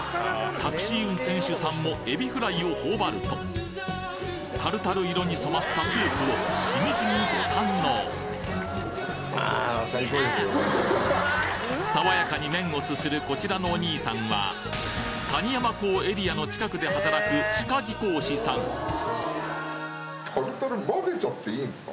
タクシー運転手さんもエビフライを頬張るとタルタル色に染まったスープをしみじみご堪能爽やかに麺をすするこちらのお兄さんは谷山港エリアの近くで働くああそうなんですか？